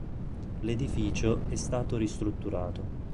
L'edificio è stato ristrutturato.